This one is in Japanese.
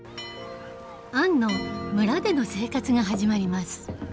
アンの村での生活が始まります。